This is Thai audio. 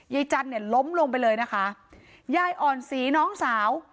ยายจันทร์เนี่ยล้มลงไปเลยนะคะยายอ่อนศรีน้องสาว